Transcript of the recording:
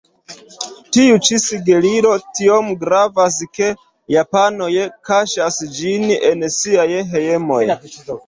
Tiu ĉi sigelilo tiom gravas, ke japanoj kaŝas ĝin en siaj hejmoj.